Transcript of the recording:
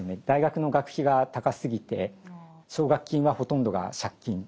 大学の学費が高すぎて奨学金はほとんどが借金。